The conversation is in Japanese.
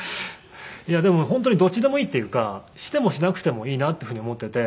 いやでも本当にどっちでもいいっていうかしてもしなくてもいいなっていうふうに思ってて。